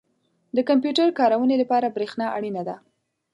• د کمپیوټر کارونې لپاره برېښنا اړینه ده.